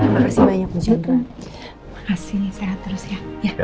masa pun terima kasih